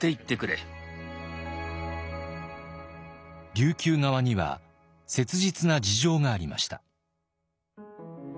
琉球側には切実な事情がありました。